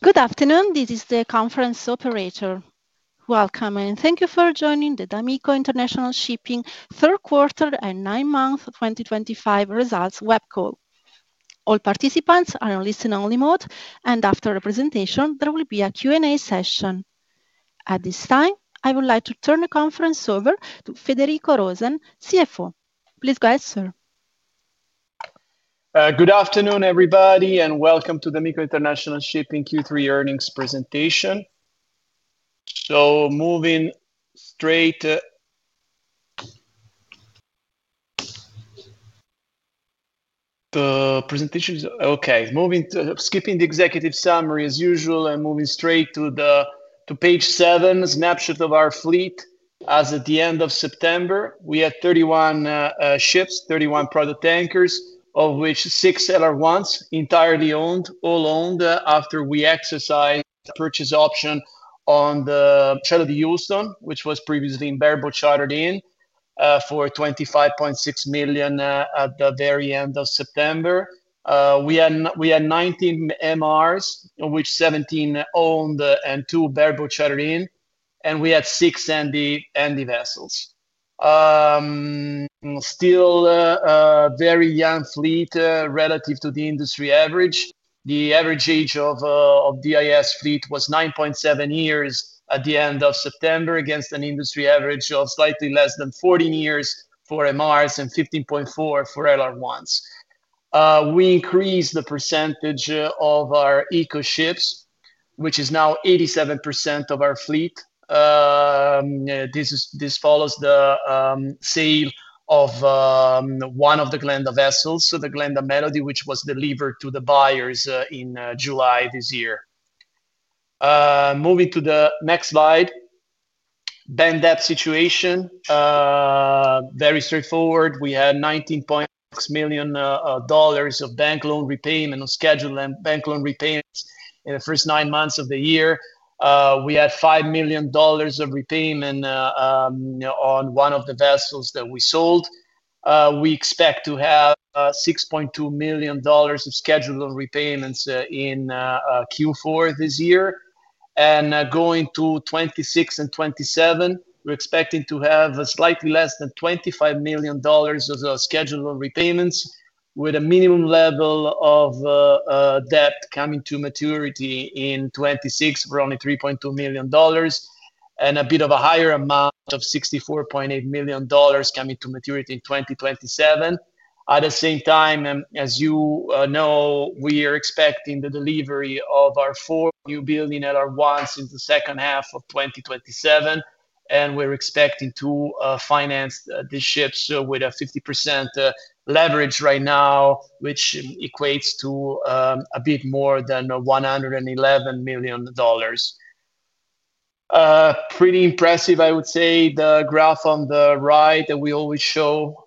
Good afternoon, this is the conference operator. Welcome, and thank you for joining the D'Amico International Shipping Q3 2025 results web call. All participants are on listen-only mode, and after the presentation, there will be a Q&A session. At this time, I would like to turn the conference over to Federico Rosen, CFO. Please go ahead, sir. Good afternoon, everybody, and welcome to the D'Amico International Shipping Q3 earnings presentation. Moving straight. The presentation is okay. Skipping the executive summary as usual and moving straight to page 7, snapshot of our fleet. As at the end of September, we had 31 ships, 31 product tankers, of which 6 LR1s entirely owned, all owned after we exercised the purchase option on the chartered Houston, which was previously in bareboat, chartered in for $25.6 million at the very end of September. We had 19 MRs, of which 17 owned and 2 bareboat, chartered in, and we had 6 Handy vessels. Still a very young fleet relative to the industry average. The average age of DIS fleet was 9.7 years at the end of September, against an industry average of slightly less than 14 years for MRs and 15.4 for LR1s. We increased the percentage of our eco ships, which is now 87% of our fleet. This follows the sale of one of the Glenda vessels, so the Glenda Melody, which was delivered to the buyers in July this year. Moving to the next slide. Bank debt situation. Very straightforward. We had $19.6 million of bank loan repayment on scheduled bank loan repayments in the first nine months of the year. We had $5 million of repayment on one of the vessels that we sold. We expect to have $6.2 million of scheduled repayments in Q4 this year. Going to 2026 and 2027, we are expecting to have slightly less than $25 million of scheduled repayments, with a minimum level of debt coming to maturity in 2026 for only $3.2 million and a bit of a higher amount of $64.8 million coming to maturity in 2027. At the same time, as you know, we are expecting the delivery of our four newbuilding LR1s in the second half of 2027, and we're expecting to finance the ships with a 50% leverage right now, which equates to a bit more than $111 million. Pretty impressive, I would say. The graph on the right that we always show,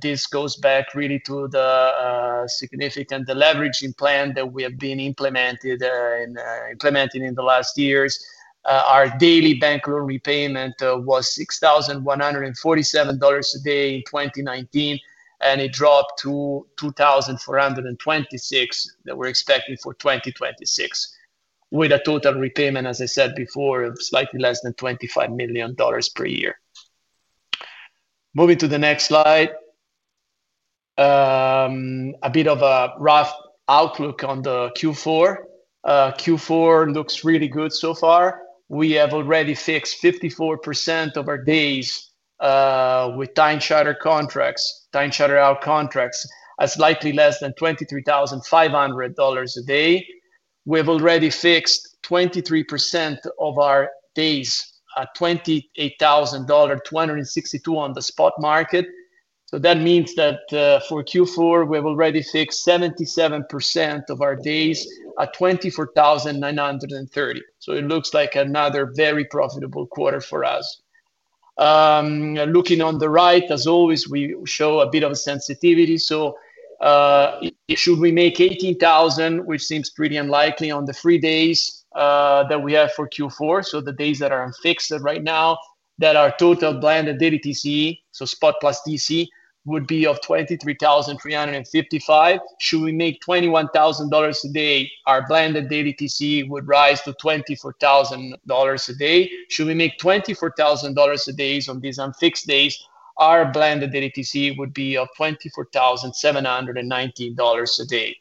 this goes back really to the significant leveraging plan that we have been implementing in the last years. Our daily bank loan repayment was $6,147 a day in 2019, and it dropped to $2,426 that we're expecting for 2026, with a total repayment, as I said before, of slightly less than $25 million per year. Moving to the next slide. A bit of a rough outlook on the Q4. Q4 looks really good so far. We have already fixed 54% of our days. With time charter contracts, time chartered out contracts, at slightly less than $23,500 a day. We have already fixed 23% of our days at $28,262 on the spot market. That means that for Q4, we have already fixed 77% of our days at $24,930. It looks like another very profitable quarter for us. Looking on the right, as always, we show a bit of sensitivity. Should we make $18,000, which seems pretty unlikely on the three days that we have for Q4, the days that are unfixed right now, our total blended DDTC, so spot plus DC, would be $23,355. Should we make $21,000 a day, our blended DDTC would rise to $24,000 a day. Should we make $24,000 a day on these unfixed days, our blended DDTC would be $24,719 a day.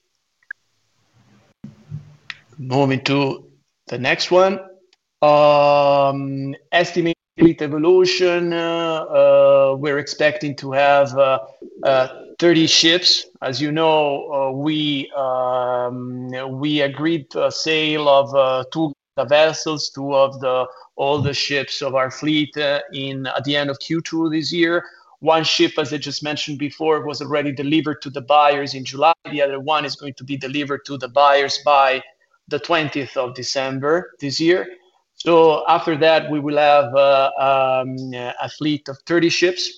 Moving to the next one. Estimated fleet evolution. We're expecting to have 30 ships. As you know, we agreed a sale of two vessels, two of the oldest ships of our fleet at the end of Q2 this year. One ship, as I just mentioned before, was already delivered to the buyers in July. The other one is going to be delivered to the buyers by the 20th of December this year. After that, we will have a fleet of 30 ships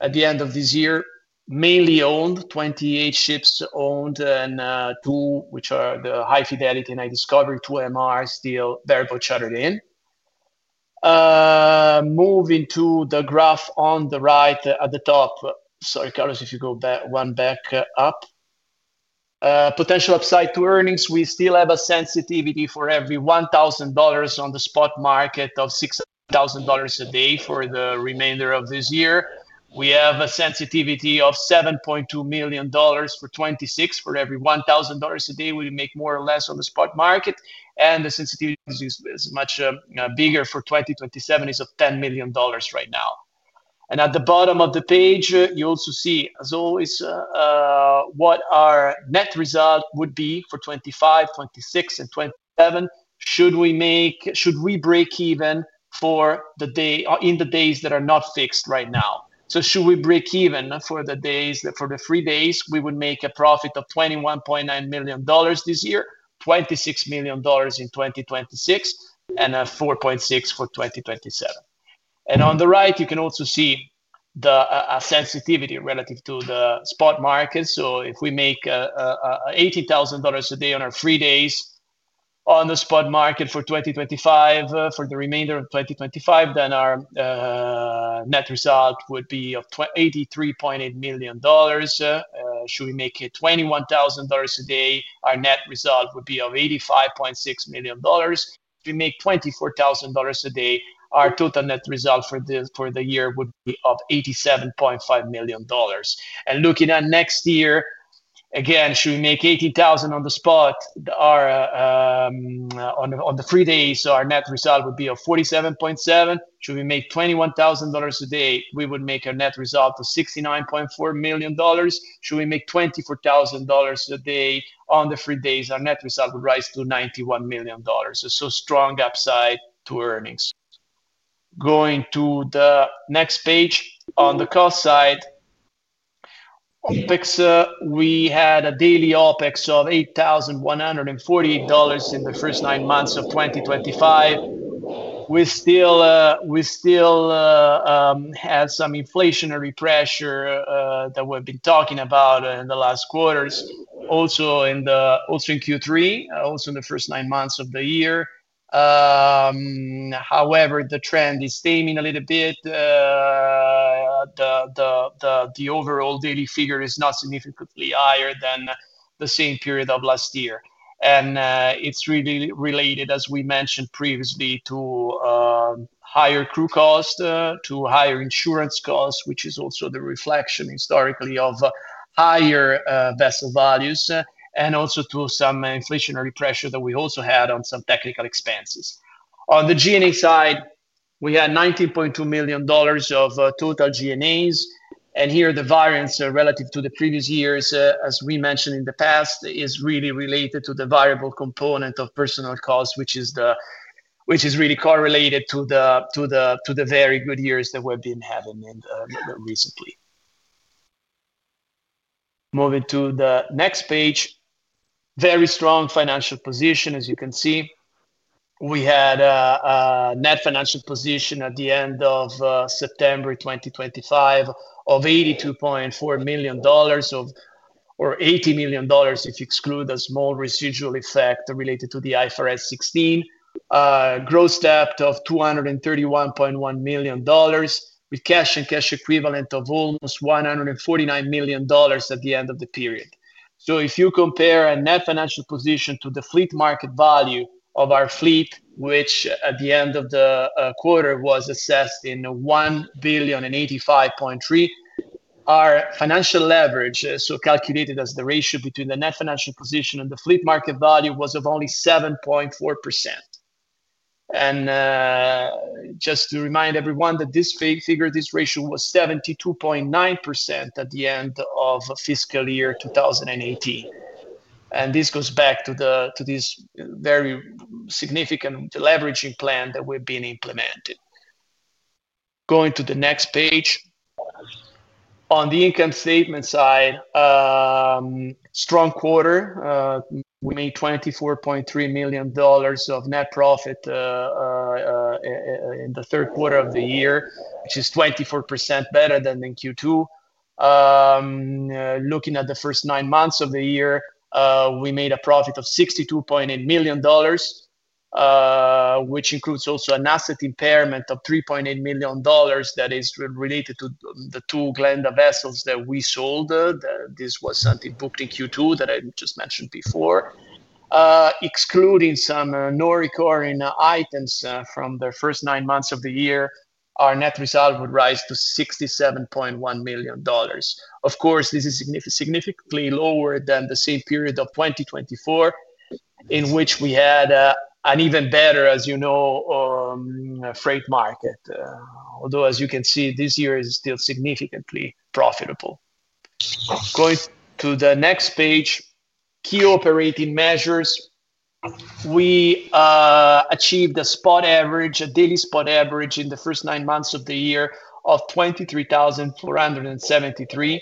at the end of this year, mainly owned, 28 ships owned and two, which are the High Fidelity and High Discovery, two MRs still bareboat chartered in. Moving to the graph on the right at the top. Sorry, Carlos, if you go one back up. Potential upside to earnings. We still have a sensitivity for every $1,000 on the spot market of $6,000 a day for the remainder of this year. We have a sensitivity of $7.2 million for 2026 for every $1,000 a day we make more or less on the spot market. The sensitivity is much bigger for 2027, is of $10 million right now. At the bottom of the page, you also see, as always, what our net result would be for 2025, 2026, and 2027 should we break even for the day in the days that are not fixed right now. Should we break even for the days, for the three days, we would make a profit of $21.9 million this year, $26 million in 2026, and $4.6 million for 2027. On the right, you can also see a sensitivity relative to the spot market. If we make $18,000 a day on our three days on the spot market for 2025, for the remainder of 2025, then our. Net result would be of $83.8 million. Should we make $21,000 a day, our net result would be of $85.6 million. If we make $24,000 a day, our total net result for the year would be of $87.5 million. Looking at next year, again, should we make $18,000 on the spot on the three days, our net result would be of $47.7 million. Should we make $21,000 a day, we would make our net result of $69.4 million. Should we make $24,000 a day on the three days, our net result would rise to $91 million. Strong upside to earnings. Going to the next page. On the cost side, we had a daily OpEx of $8,148 in the first nine months of 2025. We still. Had some inflationary pressure that we've been talking about in the last quarters, also in Q3, also in the first nine months of the year. However, the trend is steaming a little bit. The overall daily figure is not significantly higher than the same period of last year. It is really related, as we mentioned previously, to higher crew cost, to higher insurance cost, which is also the reflection historically of higher vessel values, and also to some inflationary pressure that we also had on some technical expenses. On the G&A side, we had $19.2 million of total G&A. Here the variance relative to the previous years, as we mentioned in the past, is really related to the variable component of personal cost, which is really correlated to the very good years that we've been having recently. Moving to the next page. Very strong financial position, as you can see. We had a net financial position at the end of September 2025 of $82.4 million, or $80 million if you exclude a small residual effect related to the IFRS 16. Gross debt of $231.1 million, with cash and cash equivalent of almost $149 million at the end of the period. If you compare a net financial position to the fleet market value of our fleet, which at the end of the quarter was assessed in $1,085.3 million, our financial leverage, so calculated as the ratio between the net financial position and the fleet market value, was of only 7.4%. Just to remind everyone that this figure, this ratio was 72.9% at the end of fiscal year 2018. This goes back to this very significant leveraging plan that we've been implementing. Going to the next page. On the income statement side. Strong quarter. We made $24.3 million of net profit. In the third quarter of the year, which is 24% better than in Q2. Looking at the first nine months of the year, we made a profit of $62.8 million. Which includes also an asset impairment of $3.8 million that is related to the two Glenda vessels that we sold. This was something booked in Q2 that I just mentioned before. Excluding some non-recurring items from the first nine months of the year, our net result would rise to $67.1 million. Of course, this is significantly lower than the same period of 2024. In which we had an even better, as you know. Freight market. Although, as you can see, this year is still significantly profitable. Going to the next page. Key operating measures. We. Achieved a spot average, a daily spot average in the first nine months of the year of $23,473.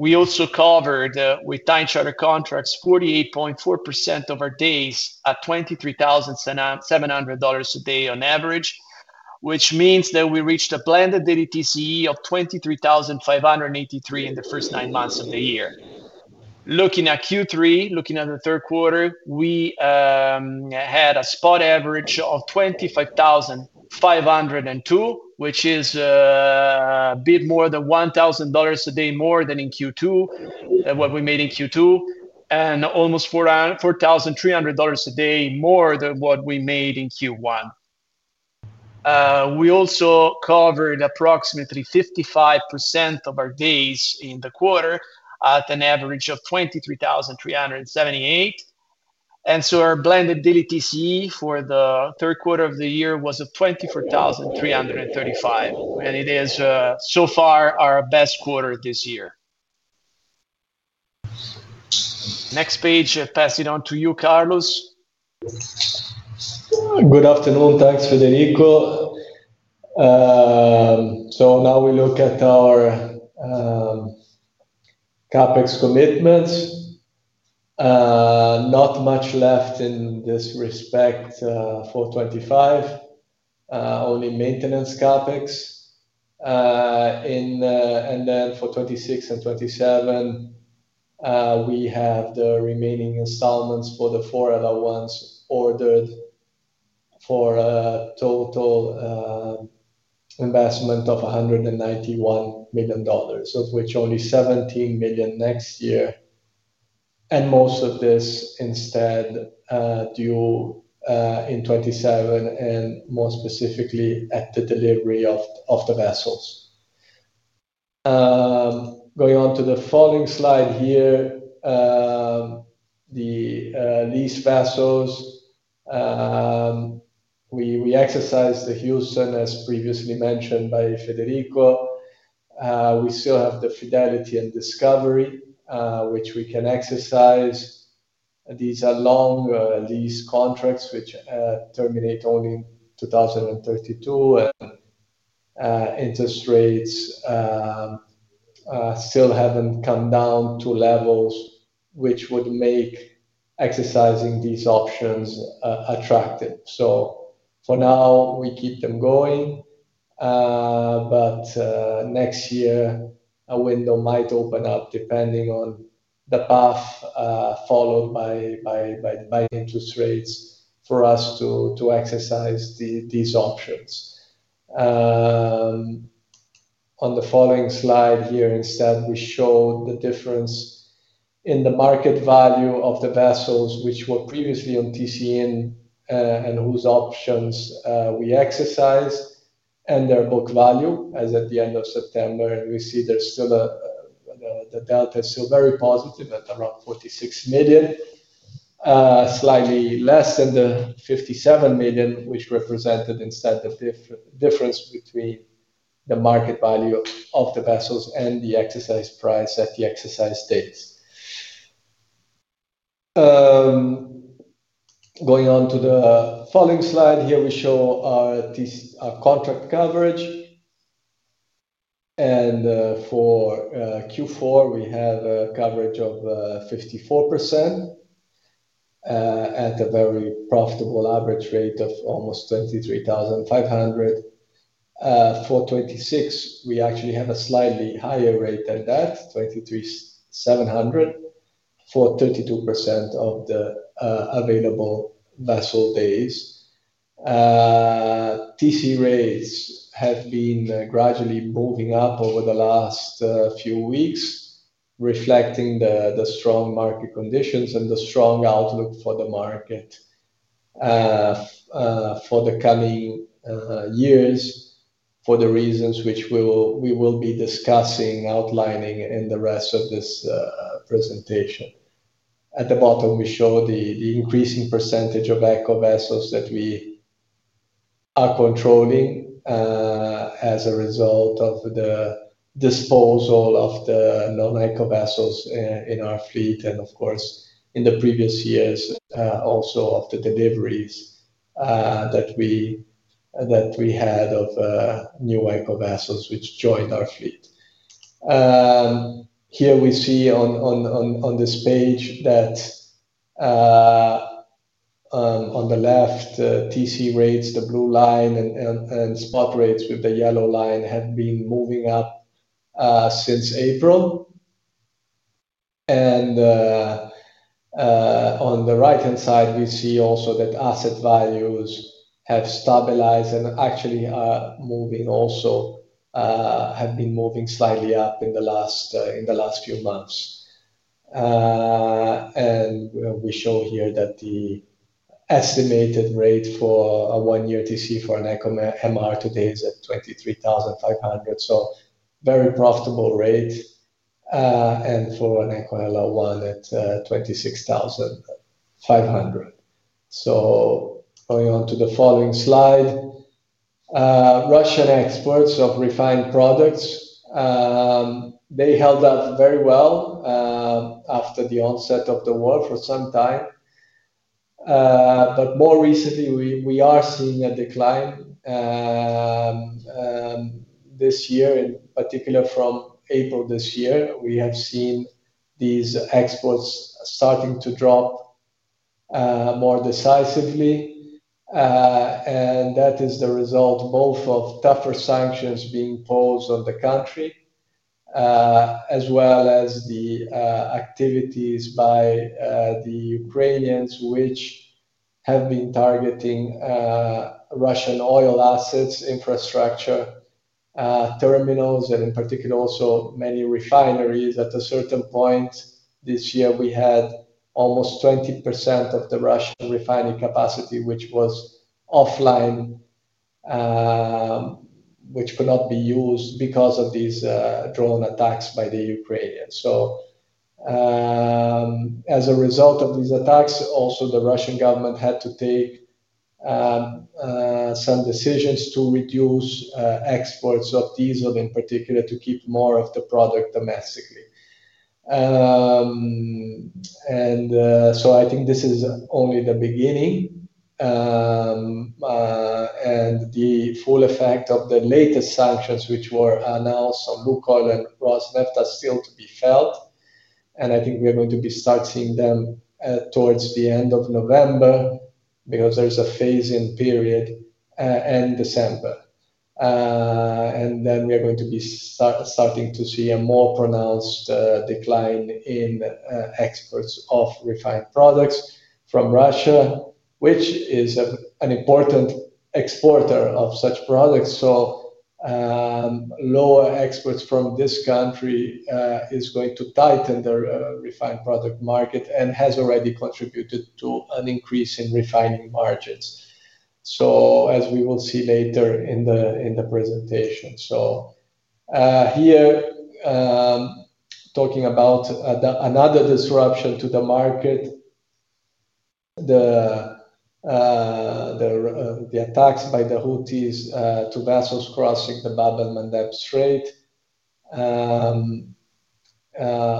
We also covered with time charter contracts 48.4% of our days at $23,700 a day on average, which means that we reached a blended TCE of $23,583 in the first nine months of the year. Looking at Q3, looking at the third quarter, we had a spot average of $25,502, which is a bit more than $1,000 a day more than in Q2, what we made in Q2, and almost $4,300 a day more than what we made in Q1. We also covered approximately 55% of our days in the quarter at an average of $23,378. Our blended TCE for the third quarter of the year was $24,335. It is so far our best quarter this year. Next page, pass it on to you, Carlos. Good afternoon. Thanks, Federico. Now we look at our CapEx commitments. Not much left in this respect for 2025, only maintenance CapEx. For 2026 and 2027, we have the remaining installments for the four LR1s ordered, for a total investment of $191 million, of which only $17 million next year. Most of this is instead due in 2027, and more specifically at the delivery of the vessels. Going on to the following slide here, the lease vessels. We exercised the HUSEN, as previously mentioned by Federico. We still have the Fidelity and Discovery, which we can exercise. These are long lease contracts which terminate only in 2032. Interest rates still have not come down to levels which would make exercising these options attractive. For now, we keep them going. Next year, a window might open up depending on the path followed by. Interest rates for us to exercise these options. On the following slide here, instead, we show the difference in the market value of the vessels which were previously on TCN and whose options we exercised, and their book value as at the end of September. We see there's still. The delta is still very positive at around $46 million. Slightly less than the $57 million, which represented instead the difference between the market value of the vessels and the exercise price at the exercise dates. Going on to the following slide here, we show our contract coverage. For Q4, we have a coverage of 54% at a very profitable average rate of almost $23,500. For 2026, we actually have a slightly higher rate than that, $23,700, for 32% of the available vessel days. TC rates have been gradually moving up over the last few weeks, reflecting the strong market conditions and the strong outlook for the market for the coming years for the reasons which we will be discussing, outlining in the rest of this presentation. At the bottom, we show the increasing percentage of ECO vessels that we are controlling as a result of the disposal of the non-ECO vessels in our fleet, and of course, in the previous years, also of the deliveries that we had of new ECO vessels which joined our fleet. Here we see on this page that on the left, TC rates, the blue line, and spot rates with the yellow line have been moving up since April. On the right-hand side, we see also that asset values have stabilized and actually are moving also, have been moving slightly up in the last few months. We show here that the estimated rate for a one-year TC for an MR today is at $23,500. Very profitable rate. For an Eco LR1 at $26,500. Going on to the following slide. Russian exports of refined products held up very well after the onset of the war for some time. More recently, we are seeing a decline. This year, in particular from April this year, we have seen these exports starting to drop more decisively. That is the result both of tougher sanctions being imposed on the country as well as the activities by the Ukrainians, which have been targeting Russian oil assets, infrastructure, terminals, and in particular, also many refineries. At a certain point this year, we had almost 20% of the Russian refining capacity offline, which could not be used because of these drone attacks by the Ukrainians. As a result of these attacks, also the Russian government had to take some decisions to reduce exports of diesel, in particular, to keep more of the product domestically. I think this is only the beginning. The full effect of the latest sanctions, which were announced on Lukoil and Rosneft, are still to be felt. I think we are going to be starting them towards the end of November because there is a phasing period. End December. We are going to be starting to see a more pronounced decline in exports of refined products from Russia, which is an important exporter of such products. Lower exports from this country are going to tighten the refined product market and have already contributed to an increase in refining margins, as we will see later in the presentation. Here, talking about. Another disruption to the market. The attacks by the Houthis to vessels crossing the Bab el-Mandeb Strait.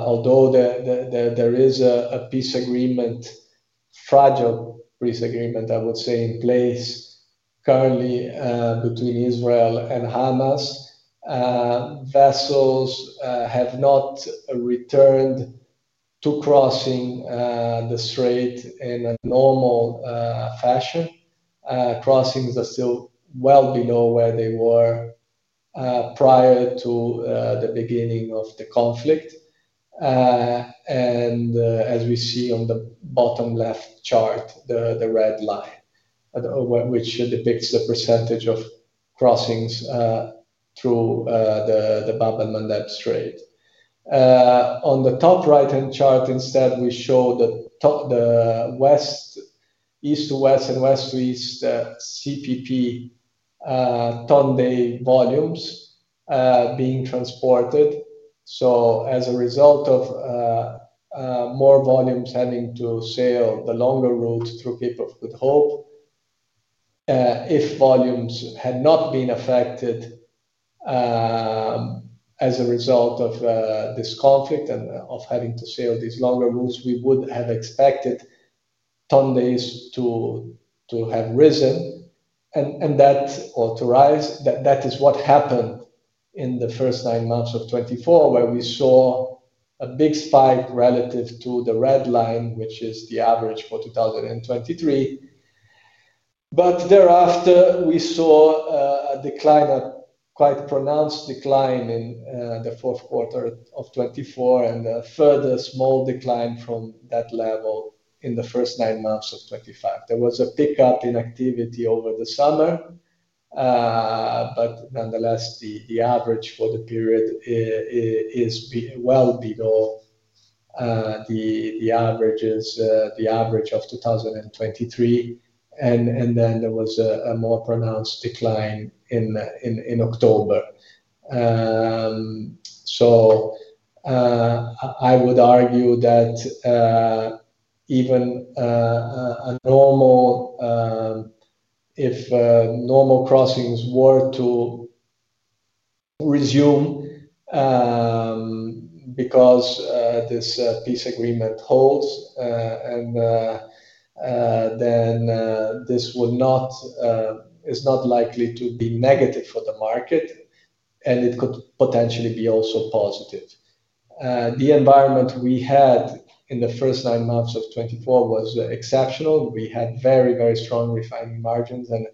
Although there is a peace agreement, fragile peace agreement, I would say, in place currently between Israel and Hamas, vessels have not returned to crossing the strait in a normal fashion. Crossings are still well below where they were prior to the beginning of the conflict. As we see on the bottom left chart, the red line, which depicts the percentage of crossings through the Bab el-Mandeb Strait. On the top right-hand chart, instead, we show the east to west and west to east CPP ton day volumes being transported. As a result of more volumes having to sail the longer route through Cape of Good Hope, if volumes had not been affected as a result of this conflict and of having to sail these longer routes, we would have expected. Ton days have risen. That is what happened in the first nine months of 2024, where we saw a big spike relative to the red line, which is the average for 2023. Thereafter, we saw a decline, a quite pronounced decline in the fourth quarter of 2024, and a further small decline from that level in the first nine months of 2025. There was a pickup in activity over the summer. Nonetheless, the average for the period is well below the average of 2023. There was a more pronounced decline in October. I would argue that even if normal crossings were to resume because this peace agreement holds, this is not likely to be negative for the market. It could potentially be also positive. The environment we had in the first nine months of 2024 was exceptional. We had very, very strong refining margins and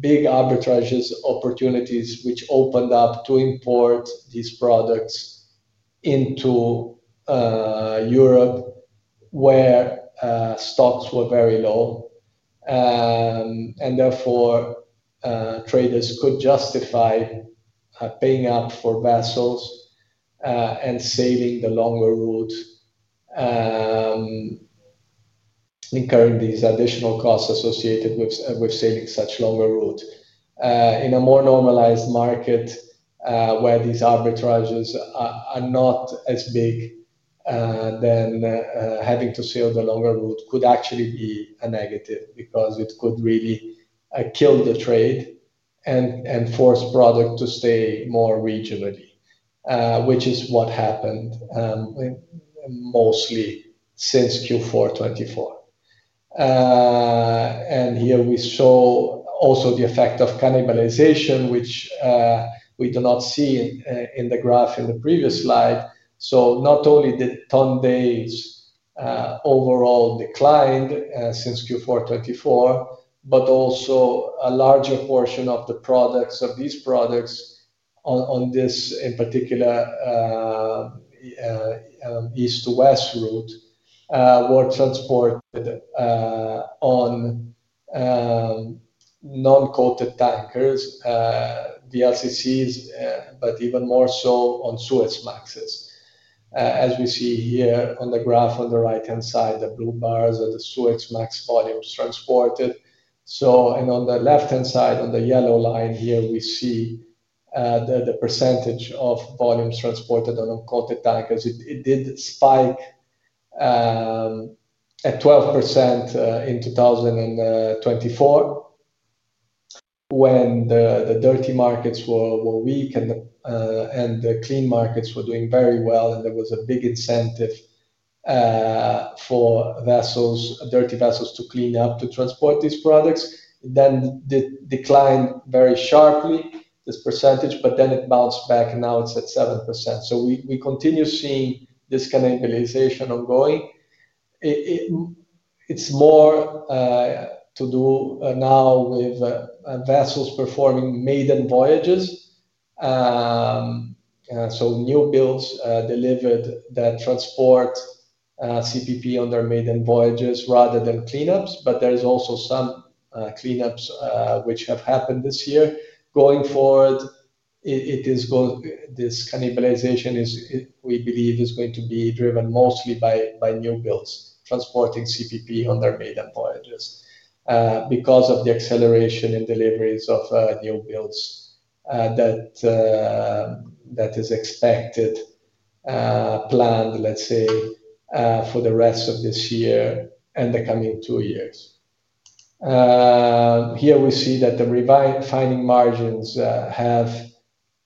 big arbitrage opportunities which opened up to import these products into Europe, where stocks were very low. Therefore, traders could justify paying up for vessels and sailing the longer route, incurring these additional costs associated with sailing such longer routes. In a more normalized market, where these arbitrages are not as big, then having to sail the longer route could actually be a negative because it could really kill the trade and force product to stay more regionally, which is what happened mostly since Q4 2024. Here we saw also the effect of cannibalization, which we do not see in the graph in the previous slide. Not only did ton days overall decline since Q4 2024, but also a larger portion of these products on this, in particular, east to west route were transported on non-coated tankers. The LCCs, but even more so on Suez Maxes. As we see here on the graph on the right-hand side, the blue bars are the Suez Max volumes transported. On the left-hand side, on the yellow line here, we see the percentage of volumes transported on uncoated tankers. It did spike at 12% in 2024 when the dirty markets were weak and the clean markets were doing very well, and there was a big incentive for dirty vessels to clean up to transport these products. It declined very sharply, this percentage, but then it bounced back, and now it is at 7%. We continue seeing this cannibalization ongoing. It is more to do now with vessels performing maiden voyages, so new builds delivered that transport CPP on their maiden voyages rather than cleanups. There are also some cleanups which have happened this year going forward. This cannibalization, we believe, is going to be driven mostly by new builds transporting CPP on their maiden voyages because of the acceleration in deliveries of new builds. That is expected. Planned, let's say, for the rest of this year and the coming two years. Here we see that the refining margins have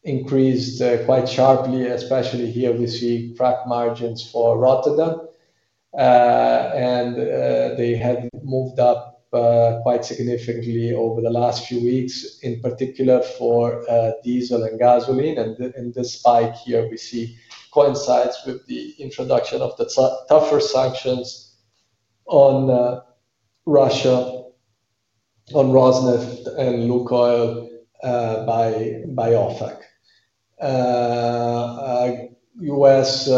increased quite sharply, especially here we see crack margins for Rotterdam. They have moved up quite significantly over the last few weeks, in particular for diesel and gasoline. This spike here we see coincides with the introduction of the tougher sanctions on Russia, on Rosneft and Lukoil by OFAC. U.S.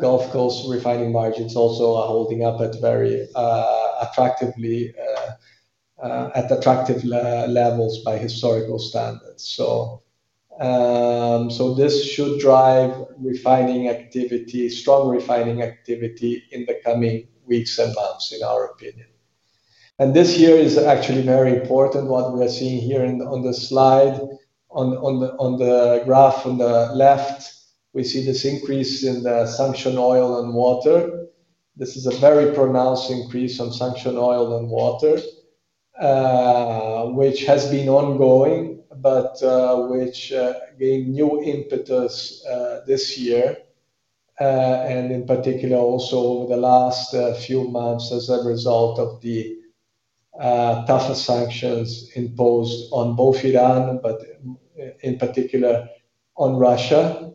Gulf Coast refining margins also are holding up at attractively high levels by historical standards. This should drive strong refining activity in the coming weeks and months, in our opinion. This year is actually very important. What we are seeing here on the slide, on the graph on the left, we see this increase in the sanctioned oil and water. This is a very pronounced increase on sanctioned oil and water, which has been ongoing, but which gained new impetus this year. In particular, also over the last few months as a result of the tougher sanctions imposed on both Iran, but in particular on Russia.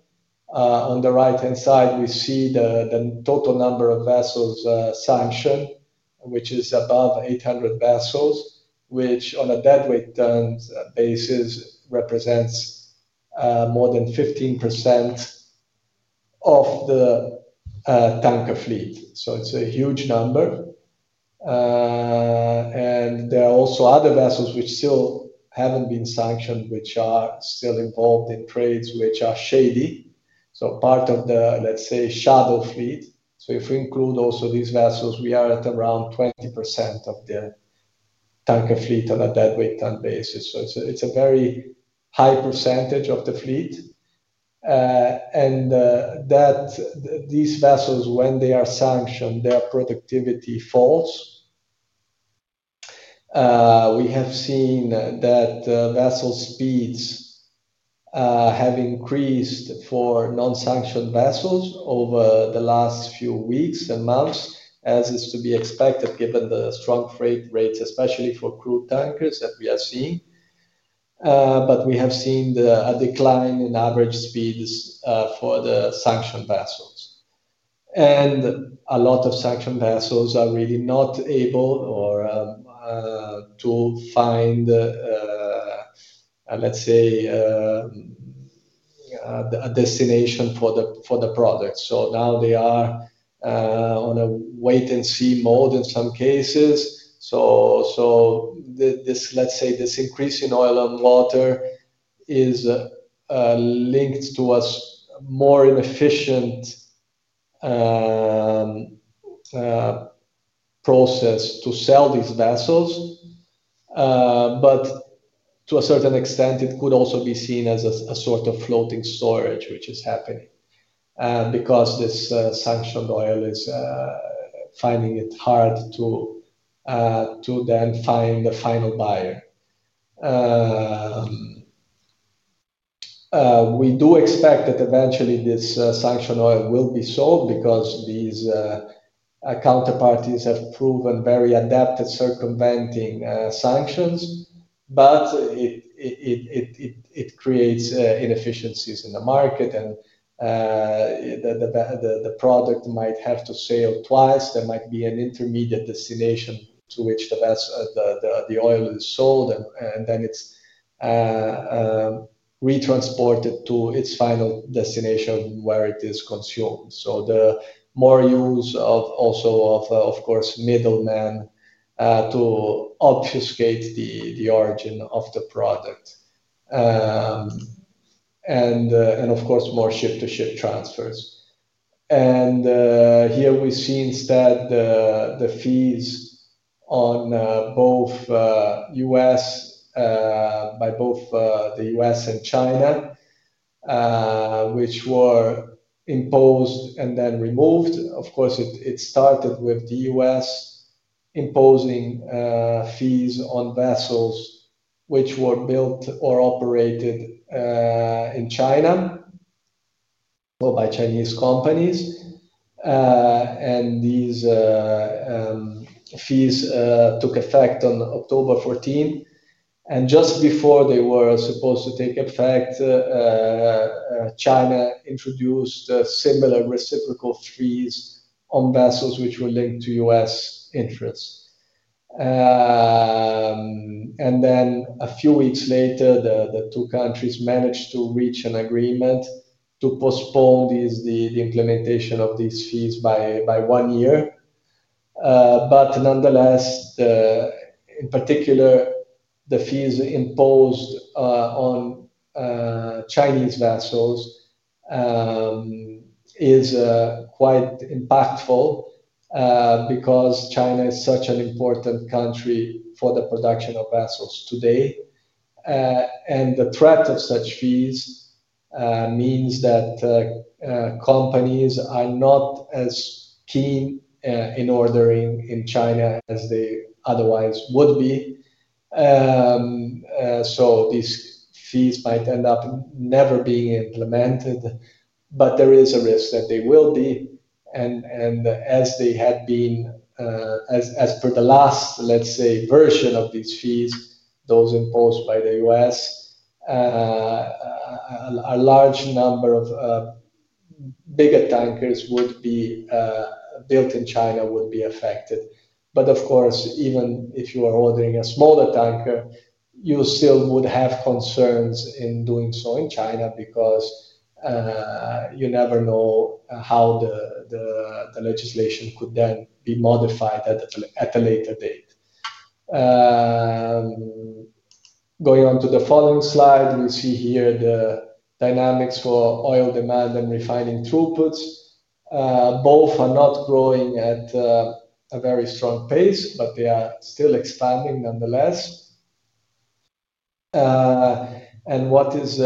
On the right-hand side, we see the total number of vessels sanctioned, which is above 800 vessels, which on a deadweight terms basis represents more than 15% of the tanker fleet. It is a huge number. There are also other vessels which still have not been sanctioned, which are still involved in trades which are shady, so part of the, let's say, shadow fleet. If we include also these vessels, we are at around 20% of the. Tanker fleet on a deadweight term basis. It is a very high percentage of the fleet. These vessels, when they are sanctioned, their productivity falls. We have seen that vessel speeds have increased for non-sanctioned vessels over the last few weeks and months, as is to be expected given the strong freight rates, especially for crude tankers that we are seeing. We have seen a decline in average speeds for the sanctioned vessels. A lot of sanctioned vessels are really not able to find, let's say, a destination for the product. Now they are on a wait-and-see mode in some cases. This increase in oil and water is linked to a more inefficient process to sell these vessels. To a certain extent, it could also be seen as a sort of floating storage, which is happening because this sanctioned oil is. Finding it hard to then find the final buyer. We do expect that eventually this sanctioned oil will be sold because these counterparties have proven very adept at circumventing sanctions. It creates inefficiencies in the market, and the product might have to sail twice. There might be an intermediate destination to which the oil is sold, and then it is retransported to its final destination where it is consumed. The more use of, also, of course, middlemen to obfuscate the origin of the product. Of course, more ship-to-ship transfers. Here we have seen, instead, the fees on both the U.S. and China, which were imposed and then removed. It started with the U.S. imposing fees on vessels which were built or operated in China by Chinese companies. These fees took effect on October 14, and just before they were supposed to take effect. China introduced similar reciprocal fees on vessels which were linked to US interests. A few weeks later, the two countries managed to reach an agreement to postpone the implementation of these fees by one year. Nonetheless, in particular, the fees imposed on Chinese vessels is quite impactful because China is such an important country for the production of vessels today. The threat of such fees means that companies are not as keen in ordering in China as they otherwise would be. These fees might end up never being implemented, but there is a risk that they will be. As they had been, as per the last, let's say, version of these fees, those imposed by the US, a large number of bigger tankers that would be built in China would be affected. Of course, even if you are ordering a smaller tanker, you still would have concerns in doing so in China because you never know how the legislation could then be modified at a later date. Going on to the following slide, we see here the dynamics for oil demand and refining throughputs. Both are not growing at a very strong pace, but they are still expanding nonetheless. What is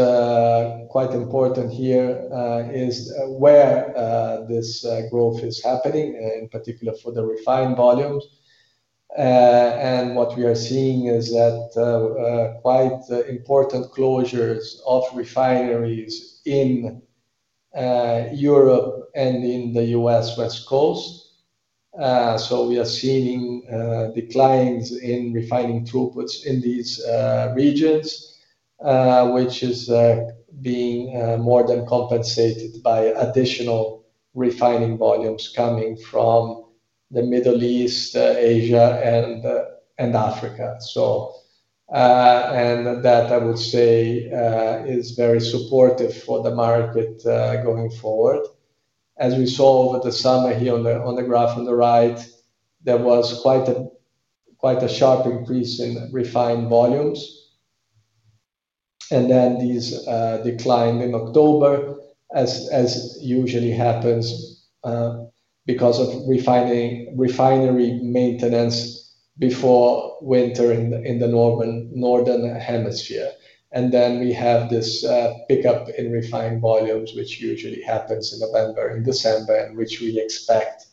quite important here is where this growth is happening, in particular for the refined volumes. What we are seeing is that quite important closures of refineries in Europe and in the US West Coast. We are seeing declines in refining throughputs in these regions, which is being more than compensated by additional refining volumes coming from the Middle East, Asia, and Africa. That, I would say, is very supportive for the market going forward. As we saw over the summer here on the graph on the right, there was quite a sharp increase in refined volumes. Then these declined in October, as usually happens because of refinery maintenance before winter in the northern hemisphere. We have this pickup in refined volumes, which usually happens in November and December, and which we expect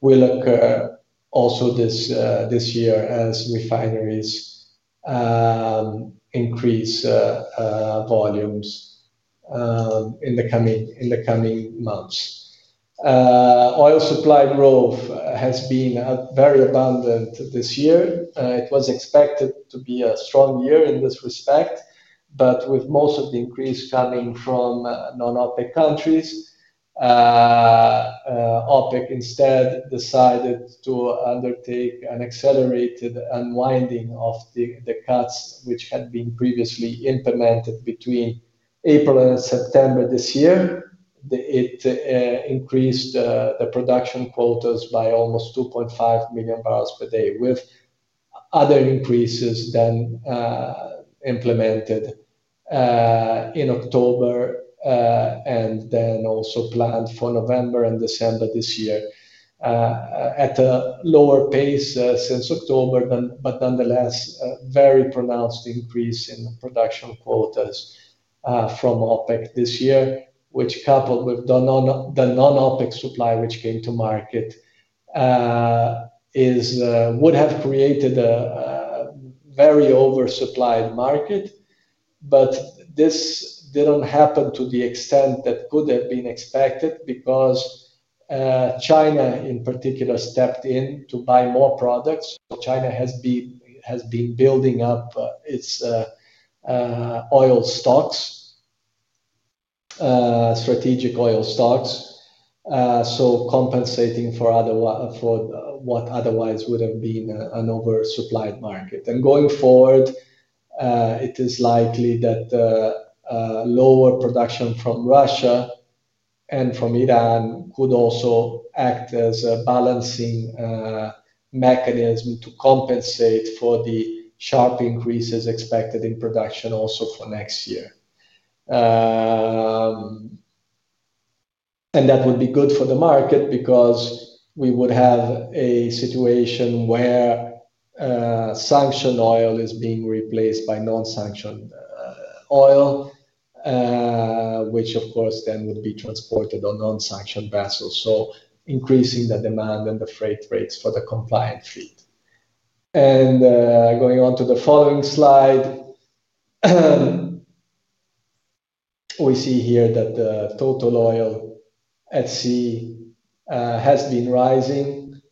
will occur also this year as refineries increase volumes in the coming months. Oil supply growth has been very abundant this year. It was expected to be a strong year in this respect, but with most of the increase coming from non-OPEC countries. OPEC instead decided to undertake an accelerated unwinding of the cuts which had been previously implemented between April and September this year. It increased the production quotas by almost 2.5 million barrels per day, with other increases then implemented in October. Then also planned for November and December this year. At a lower pace since October, but nonetheless, a very pronounced increase in production quotas from OPEC this year, which, coupled with the non-OPEC supply which came to market, would have created a very oversupplied market. This did not happen to the extent that could have been expected because China, in particular, stepped in to buy more products. China has been building up its oil stocks, strategic oil stocks, compensating for what otherwise would have been an oversupplied market. Going forward, it is likely that lower production from Russia and from Iran could also act as a balancing mechanism to compensate for the sharp increases expected in production also for next year. That would be good for the market because we would have a situation where sanctioned oil is being replaced by non-sanctioned oil. Which, of course, then would be transported on non-sanctioned vessels. Increasing the demand and the freight rates for the compliant fleet. Going on to the following slide. We see here that the total oil at sea has been rising.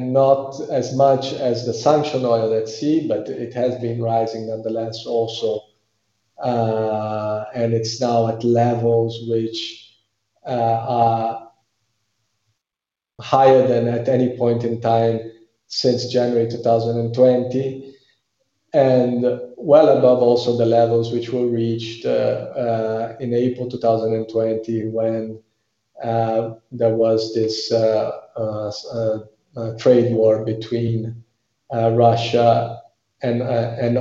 Not as much as the sanctioned oil at sea, but it has been rising nonetheless also. It is now at levels which are higher than at any point in time since January 2020. Well above also the levels which were reached in April 2020 when there was this trade war between Russia and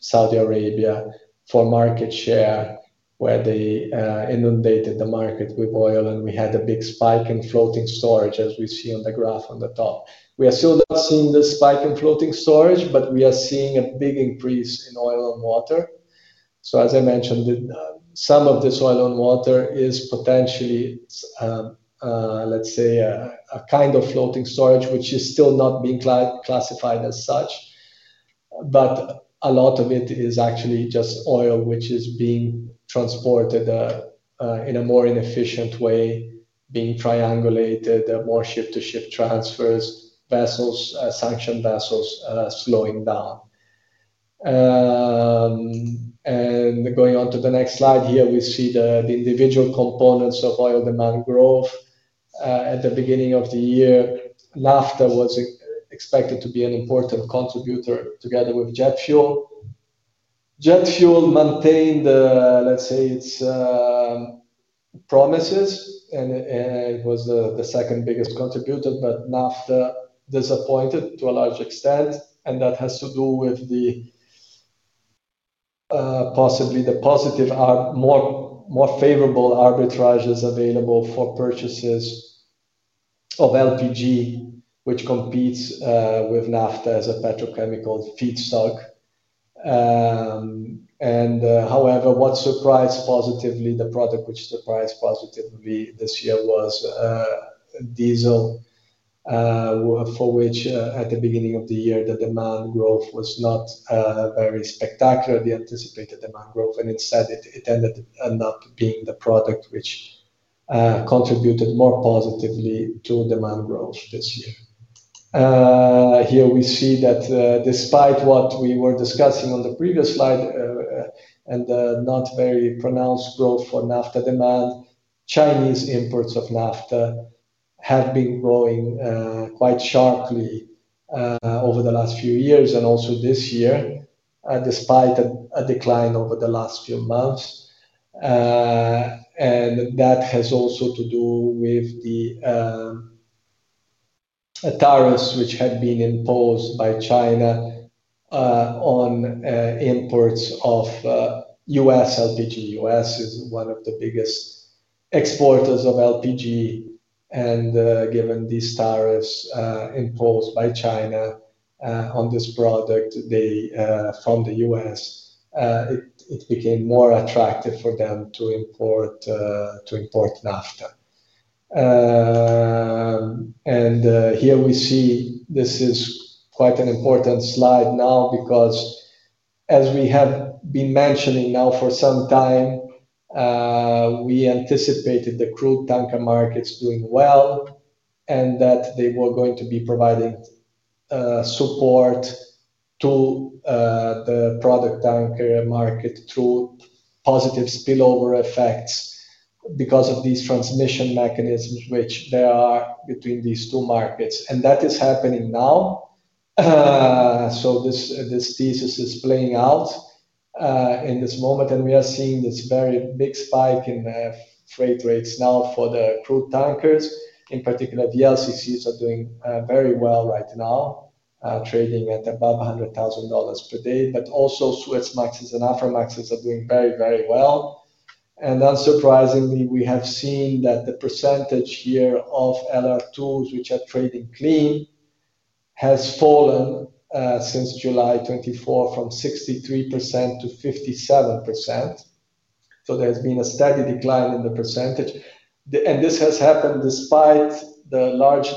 Saudi Arabia for market share, where they inundated the market with oil, and we had a big spike in floating storage, as we see on the graph on the top. We are still not seeing the spike in floating storage, but we are seeing a big increase in oil on water. As I mentioned, some of this oil and water is potentially, let's say, a kind of floating storage which is still not being classified as such. A lot of it is actually just oil which is being transported in a more inefficient way, being triangulated, more ship-to-ship transfers, sanctioned vessels slowing down. Going on to the next slide here, we see the individual components of oil demand growth. At the beginning of the year, naphtha was expected to be an important contributor together with jet fuel. Jet fuel maintained, let's say, its promises, and it was the second biggest contributor, but naphtha disappointed to a large extent. That has to do with possibly the more favorable arbitrages available for purchases of LPG, which competes with naphtha as a petrochemical feedstock. However, what surprised positively, the product which surprised positively this year, was diesel. For which, at the beginning of the year, the demand growth was not very spectacular, the anticipated demand growth. Instead, it ended up being the product which contributed more positively to demand growth this year. Here we see that, despite what we were discussing on the previous slide, and the not very pronounced growth for naphtha demand, Chinese imports of naphtha have been growing quite sharply over the last few years and also this year, despite a decline over the last few months. That has also to do with the tariffs which have been imposed by China on imports of U.S. LPG. U.S. is one of the biggest exporters of LPG, and given these tariffs imposed by China on this product from the U.S., it became more attractive for them to import naphtha. Here we see this is quite an important slide now because. As we have been mentioning now for some time, we anticipated the crude tanker markets doing well. They were going to be providing support to the product tanker market through positive spillover effects because of these transmission mechanisms which there are between these two markets. That is happening now. This thesis is playing out in this moment. We are seeing this very big spike in freight rates now for the crude tankers. In particular, the VLCCs are doing very well right now, trading at above $100,000 per day. Also, Suezmax and Aframax are doing very, very well. Unsurprisingly, we have seen that the percentage here of LR2s which are trading clean has fallen since July 24 from 63% to 57%. There has been a steady decline in the percentage. This has happened despite the large.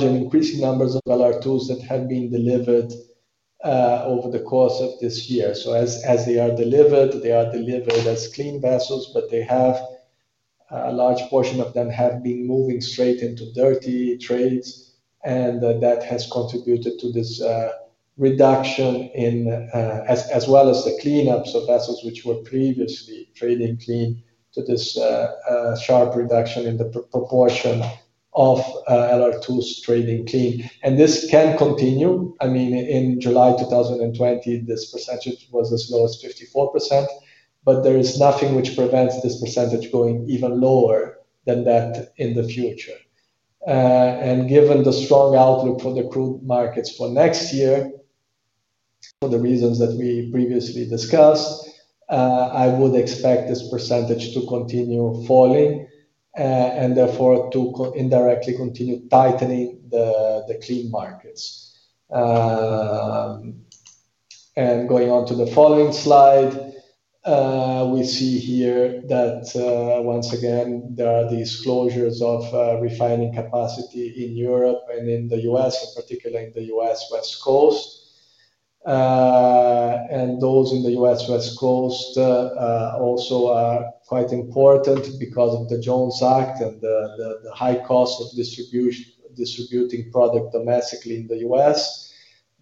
Increasing numbers of LR2s have been delivered over the course of this year. As they are delivered, they are delivered as clean vessels, but a large portion of them have been moving straight into dirty trades. That has contributed to this reduction in, as well as the cleanups of vessels which were previously trading clean, to this sharp reduction in the proportion of LR2s trading clean. This can continue. I mean, in July 2020, this percentage was as low as 54%. There is nothing which prevents this percentage going even lower than that in the future. Given the strong outlook for the crude markets for next year, for the reasons that we previously discussed, I would expect this percentage to continue falling and therefore to indirectly continue tightening the clean markets. Going on to the following slide, we see here that. Once again, there are these closures of refining capacity in Europe and in the U.S., in particular in the U.S. West Coast. Those in the U.S. West Coast also are quite important because of the Jones Act and the high cost of distributing product domestically in the U.S.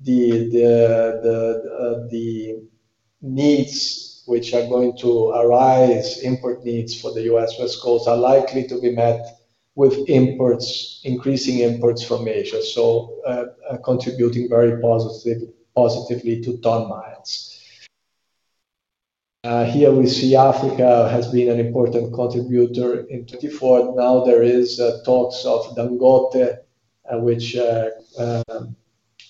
The needs which are going to arise, import needs for the U.S. West Coast, are likely to be met with increasing imports from Asia, contributing very positively to ton miles. Here we see Africa has been an important contributor in 2024. Now there are talks of Dangote, which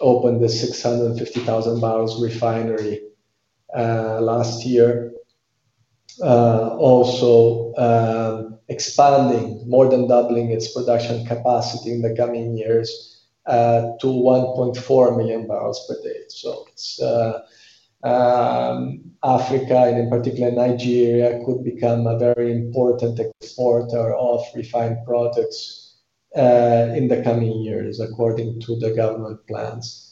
opened the 650,000 barrels refinery last year, also expanding, more than doubling its production capacity in the coming years to 1.4 million barrels per day. Africa, and in particular Nigeria, could become a very important exporter of refined products in the coming years according to the government plans.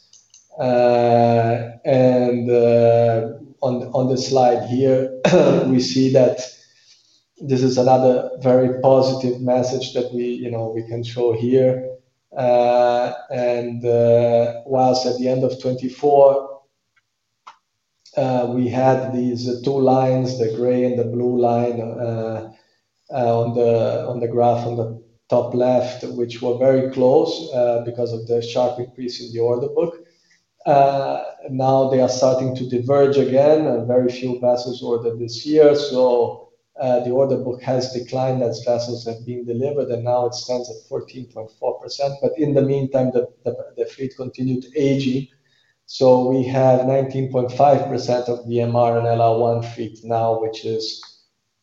On the slide here, we see that. This is another very positive message that we can show here. Whilst at the end of 2024, we had these two lines, the gray and the blue line, on the graph on the top left, which were very close because of the sharp increase in the order book. Now they are starting to diverge again. Very few vessels ordered this year, so the order book has declined as vessels have been delivered, and now it stands at 14.4%. In the meantime, the fleet continued aging. We have 19.5% of the MR and LR1 fleet now, which is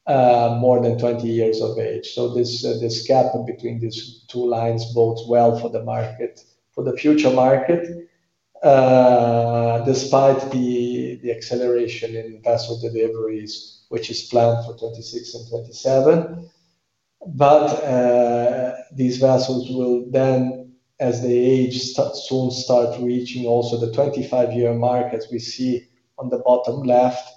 more than 20 years of age. This gap between these two lines bodes well for the future market, despite the acceleration in vessel deliveries, which is planned for 2026 and 2027. These vessels will then, as they age, soon start reaching also the 25-year mark as we see on the bottom left.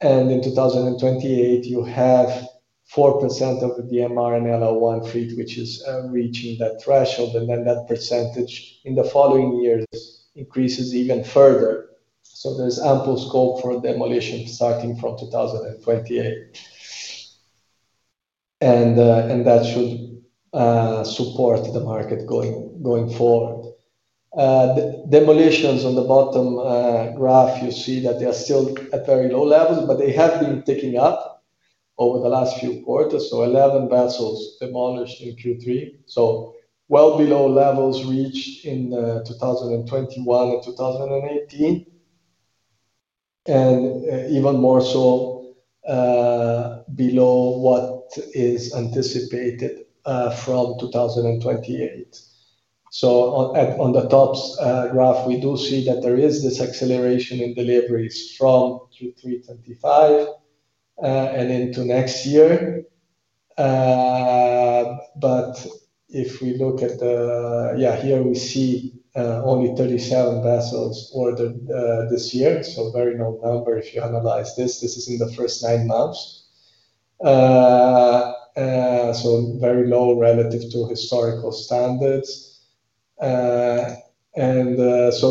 In 2028, you have 4% of the MR and LR1 fleet which is reaching that threshold. That percentage in the following years increases even further. There is ample scope for demolition starting from 2028. That should support the market going forward. Demolitions on the bottom graph, you see that they are still at very low levels, but they have been ticking up over the last few quarters. Eleven vessels demolished in Q3, well below levels reached in 2021 and 2018, and even more so below what is anticipated from 2028. On the top graph, we do see that there is this acceleration in deliveries from Q3 2025 and into next year. If we look at the—, here we see only 37 vessels ordered this year. So very low number if you analyze this. This is in the first nine months. Very low relative to historical standards.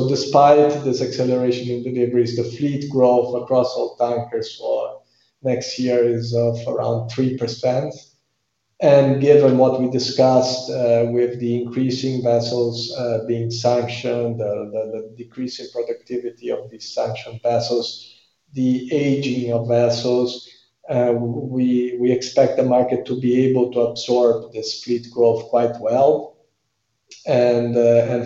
Despite this acceleration in deliveries, the fleet growth across all tankers for next year is around 3%. Given what we discussed with the increasing vessels being sanctioned, the decreasing productivity of these sanctioned vessels, the aging of vessels, we expect the market to be able to absorb this fleet growth quite well.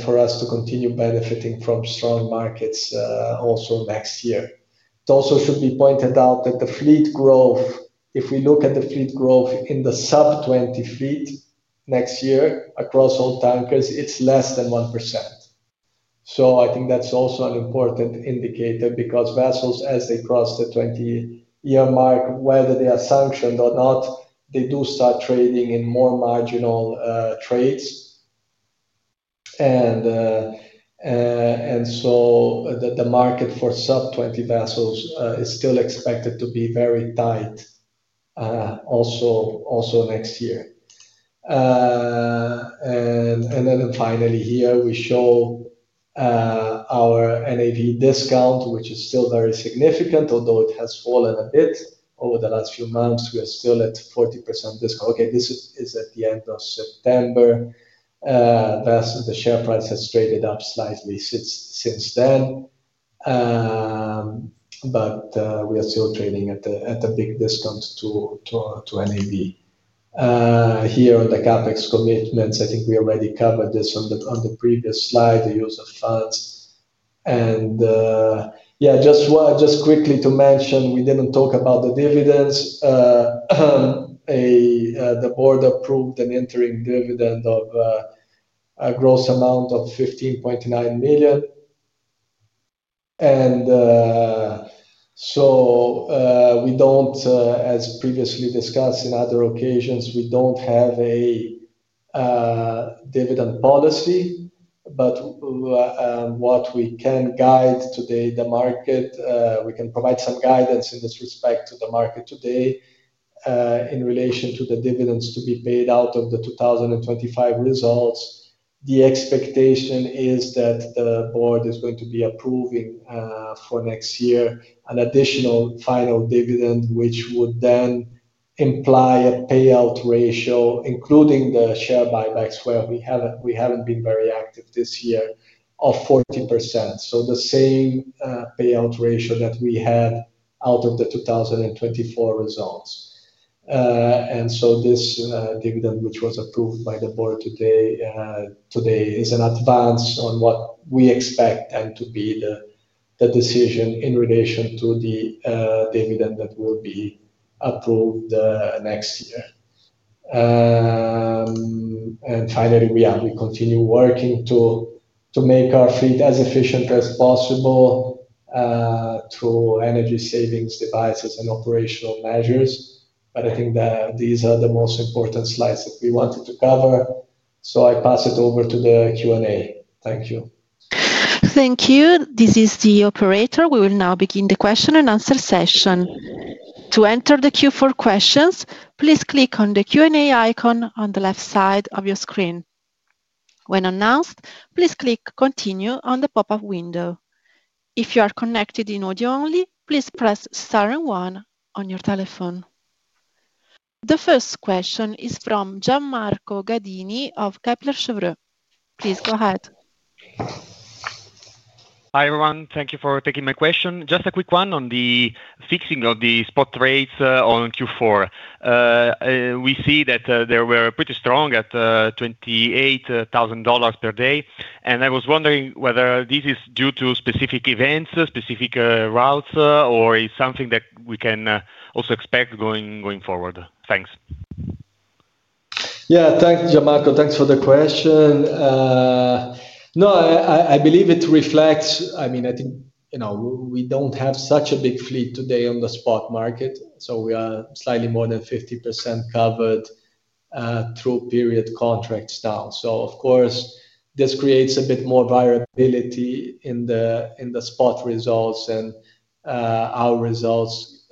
For us to continue benefiting from strong markets also next year. It also should be pointed out that the fleet growth, if we look at the fleet growth in the sub-20 fleet next year across all tankers, is less than 1%. I think that's also an important indicator because vessels, as they cross the 20-year mark, whether they are sanctioned or not, they do start trading in more marginal trades. The market for sub-20 vessels is still expected to be very tight. Also next year. Finally, here, we show our NAV discount, which is still very significant, although it has fallen a bit over the last few months. We are still at 40% discount. This is at the end of September. The share price has traded up slightly since then. We are still trading at a big discount to NAV. Here on the CapEx commitments, I think we already covered this on the previous slide, the use of funds, just quickly to mention, we did not talk about the dividends. The board approved an interim dividend of a gross amount of $15.9 million. As previously discussed in other occasions, we do not have a dividend policy. What we can guide today, the market, we can provide some guidance in this respect to the market today. In relation to the dividends to be paid out of the 2025 results, the expectation is that the board is going to be approving for next year an additional final dividend, which would then imply a payout ratio, including the share buybacks where we have not been very active this year, of 40%. The same payout ratio that we had out of the 2024 results. This dividend, which was approved by the board today, is an advance on what we expect to be the decision in relation to the dividend that will be approved next year. Finally, we continue working to make our fleet as efficient as possible. Through energy savings devices and operational measures. I think these are the most important slides that we wanted to cover. I pass it over to the Q&A. Thank you. Thank you. This is the operator. We will now begin the question and answer session. To enter the Q4 questions, please click on the Q&A icon on the left side of your screen. When announced, please click Continue on the pop-up window. If you are connected in audio only, please press * and 1 on your telephone. The first question is from Gianmarco Gadini of Kepler Cheuvreux. Please go ahead. Hi everyone. Thank you for taking my question. Just a quick one on the fixing of the spot rates on Q4. We see that they were pretty strong at $28,000 per day. I was wondering whether this is due to specific events, specific routes, or is it something that we can also expect going forward? Thanks. Thanks, Gian marco. Thanks for the question. No, I believe it reflects—I mean, I think we do not have such a big fleet today on the spot market. We are slightly more than 50% covered through period contracts now. Of course, this creates a bit more variability in the spot results. Our results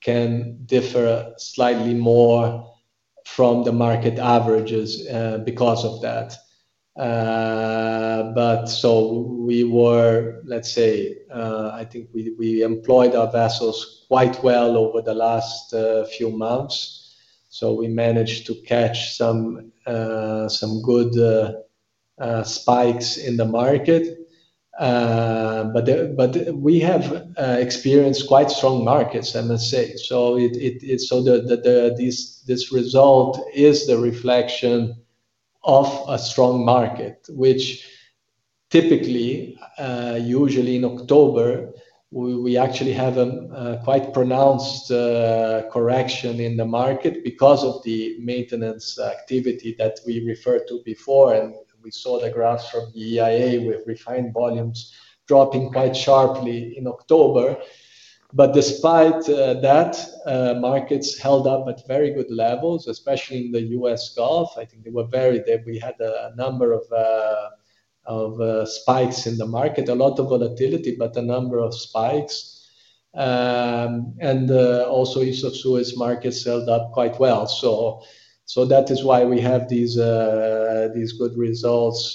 can differ slightly more from the market averages because of that. We employed our vessels quite well over the last few months. We managed to catch some good spikes in the market. We have experienced quite strong markets, I must say. This result is the reflection of a strong market, which. Typically, usually in October, we actually have a quite pronounced correction in the market because of the maintenance activity that we referred to before. We saw the graphs from the EIA with refined volumes dropping quite sharply in October. Despite that, markets held up at very good levels, especially in the US Gulf. I think we had a number of spikes in the market, a lot of volatility, but a number of spikes. Also, East of Suez markets held up quite well. That is why we have these good results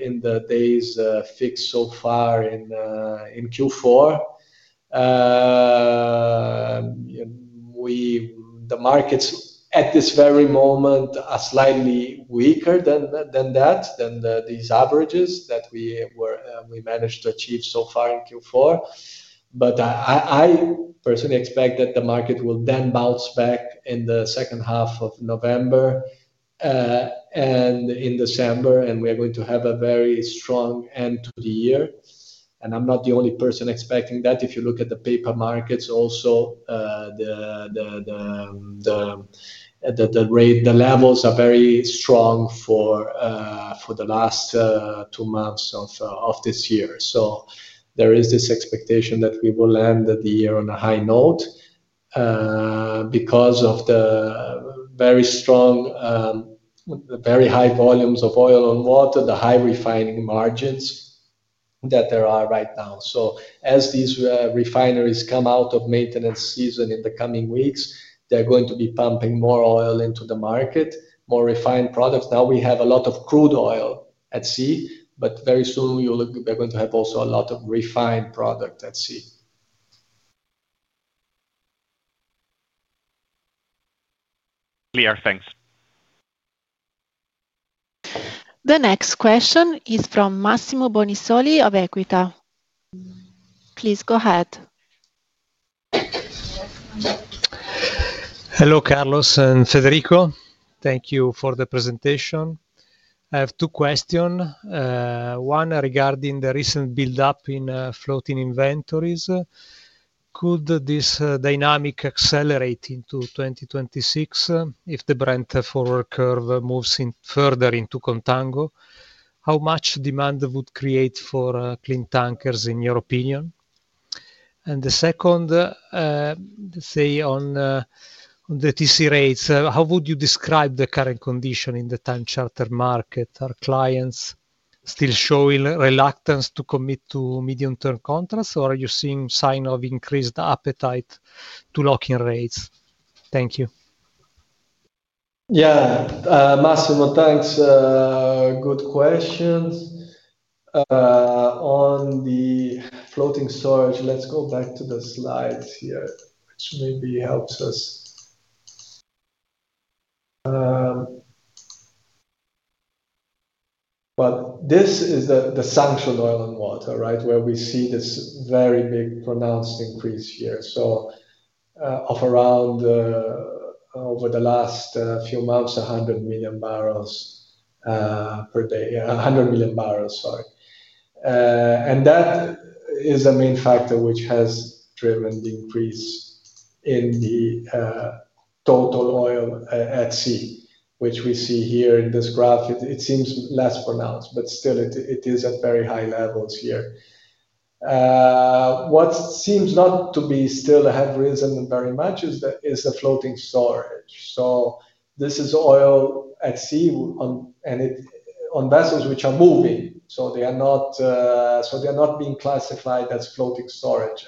in the days fixed so far in Q4. The markets at this very moment are slightly weaker than that, than these averages that we managed to achieve so far in Q4. I personally expect that the market will then bounce back in the second half of November. In December, we are going to have a very strong end to the year. I'm not the only person expecting that. If you look at the paper markets also, the levels are very strong for the last two months of this year. There is this expectation that we will end the year on a high note because of the very strong, very high volumes of oil on water, the high refining margins that there are right now. As these refineries come out of maintenance season in the coming weeks, they're going to be pumping more oil into the market, more refined products. Now we have a lot of crude oil at sea, but very soon we're going to have also a lot of refined product at sea. Clear. Thanks. The next question is from Massimo Bonisoli of Equita. Please go ahead. Hello, Carlos and Federico. Thank you for the presentation. I have two questions. One regarding the recent build-up in floating inventories. Could this dynamic accelerate into 2026 if the Brent forward curve moves further into contango? How much demand would it create for clean tankers, in your opinion? And the second. Let's say, on the TC rates, how would you describe the current condition in the time-chartered market? Are clients still showing reluctance to commit to medium-term contracts, or are you seeing signs of increased appetite to lock-in rates? Thank you. Massimo, thanks. Good questions. On the floating storage, let's go back to the slides here, which maybe helps us. This is the sanctioned oil and water, right, where we see this very big pronounced increase here. Of around, over the last few months, 100 million barrels. Per day. 100 million barrels, sorry. That is a main factor which has driven the increase in the total oil at sea, which we see here in this graph. It seems less pronounced, but still, it is at very high levels here. What seems not to have risen very much is the floating storage. This is oil at sea on vessels which are moving, so they are not being classified as floating storage.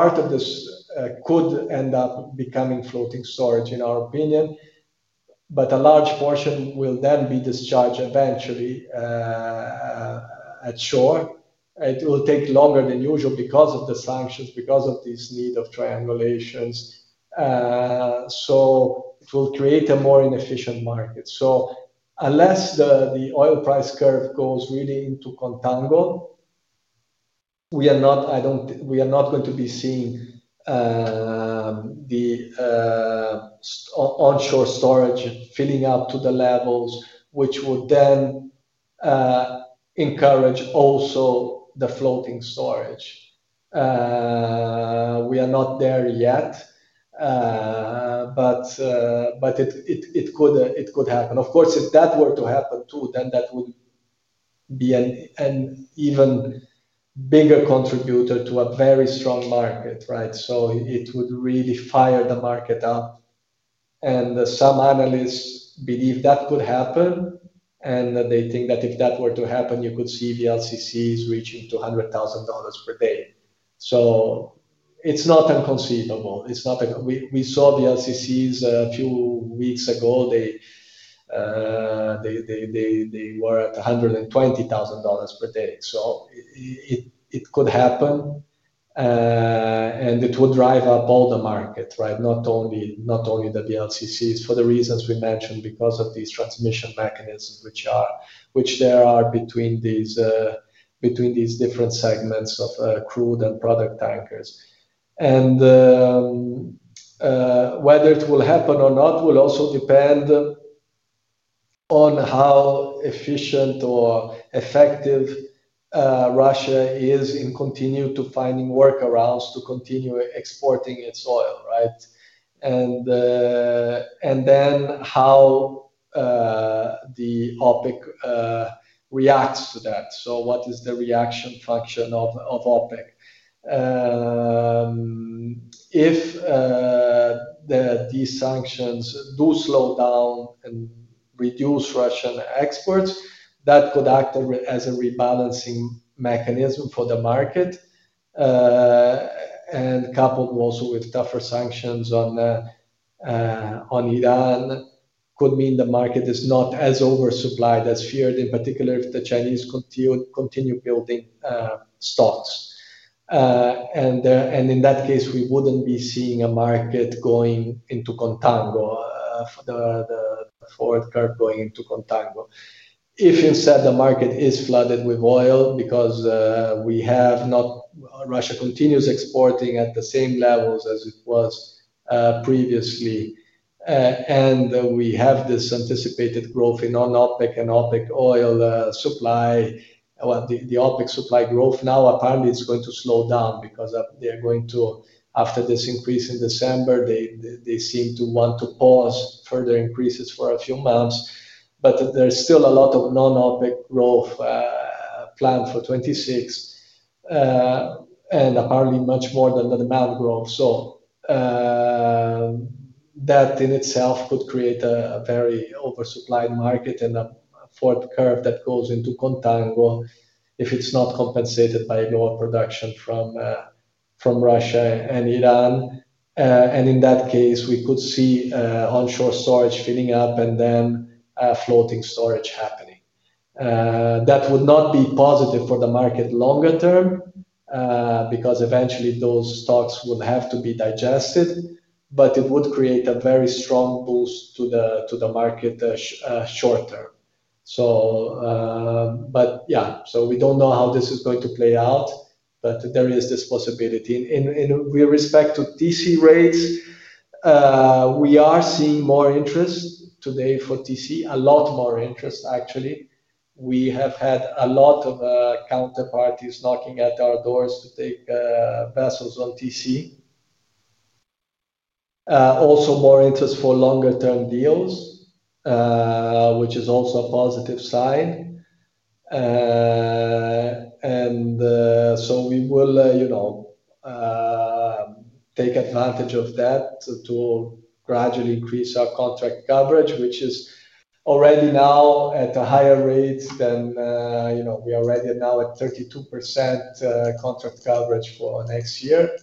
Part of this could end up becoming floating storage, in our opinion, but a large portion will then be discharged eventually at shore. It will take longer than usual because of the sanctions, because of this need of triangulations. It will create a more inefficient market. Unless the oil price curve goes really into contango, we are not going to be seeing the onshore storage filling up to the levels which would then encourage also the floating storage. We are not there yet. It could happen. Of course, if that were to happen too, that would be an even bigger contributor to a very strong market, right? It would really fire the market up. Some analysts believe that could happen. They think that if that were to happen, you could see the LCCs reaching $200,000 per day. It's not unconceivable. We saw the LCCs a few weeks ago. They were at $120,000 per day. It could happen. It would drive up all the market, right? Not only the BLCCs for the reasons we mentioned because of these transmission mechanisms which there are between these different segments of crude and product tankers. Whether it will happen or not will also depend on how efficient or effective Russia is in continuing to find workarounds to continue exporting its oil, right? How the OPEC reacts to that. What is the reaction function of OPEC? If these sanctions do slow down and reduce Russian exports, that could act as a rebalancing mechanism for the market. Coupled also with tougher sanctions on Iran, it could mean the market is not as oversupplied as feared, in particular if the Chinese continue building stocks. In that case, we would not be seeing a market going into contango, the forward curve going into contango. If, instead, the market is flooded with oil because Russia continues exporting at the same levels as it was previously, and we have this anticipated growth in non-OPEC and OPEC oil supply, the OPEC supply growth now, apparently, is going to slow down because they are going to, after this increase in December, they seem to want to pause further increases for a few months. There is still a lot of non-OPEC growth planned for 2026, and apparently much more than the demand growth. That in itself could create a very oversupplied market and a forward curve that goes into contango if it is not compensated by global production from Russia and Iran. In that case, we could see onshore storage filling up and then floating storage happening. That would not be positive for the market longer term, because eventually, those stocks will have to be digested. It would create a very strong boost to the market short term. We do not know how this is going to play out, but there is this possibility. With respect to TC rates, we are seeing more interest today for TC, a lot more interest, actually. We have had a lot of counterparties knocking at our doors to take vessels on TC. Also, more interest for longer-term deals, which is also a positive sign. We will take advantage of that to gradually increase our contract coverage, which is already now at a higher rate. We are already now at 32% contract coverage for next year,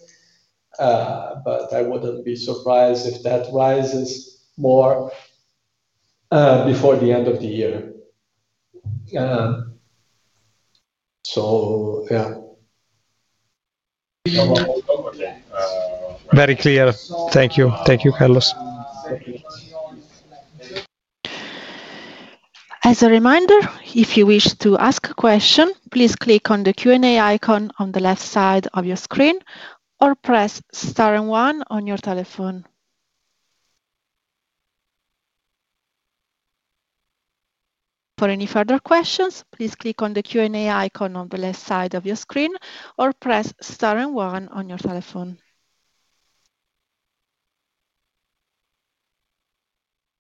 but I would not be surprised if that rises more before the end of the year. Very clear. Thank you. Thank you, Carlos. As a reminder, if you wish to ask a question, please click on the Q&A icon on the left side of your screen or press * and 1 on your telephone. For any further questions, please click on the Q&A icon on the left side of your screen or press * and 1 on your telephone.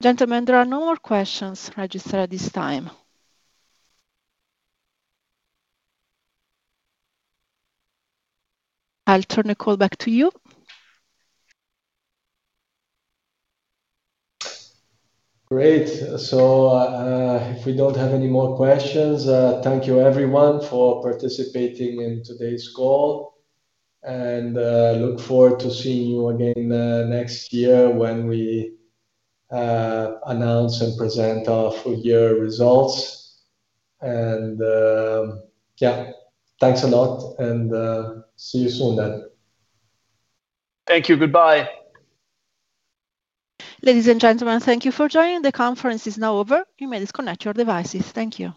Gentlemen, there are no more questions registered at this time. I'll turn the call back to you. Great. If we do not have any more questions, thank you, everyone, for participating in today's call. I look forward to seeing you again next year when we announce and present our full-year results., thanks a lot. See you soon then. Thank you. Goodbye. Ladies and gentlemen, thank you for joining. The conference is now over. You may disconnect your devices. Thank you.